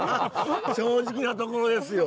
正直なところですよ。